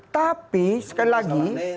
tapi sekali lagi